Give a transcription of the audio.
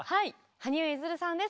羽生結弦さんです。